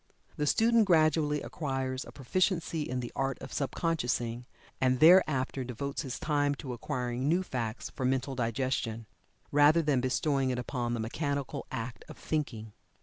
The student gradually acquires a proficiency in the art of sub consciousing, and thereafter devotes his time to acquiring new facts for mental digestion, rather than bestowing it upon the mechanical act of thinking.